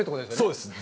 そうですね。